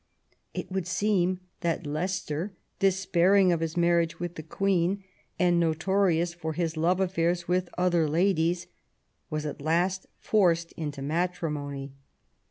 It would seem that Leicester, despairing of his marriage with the Queen, and notorious for his love affairs with other ladies, was at last forced into matrimony.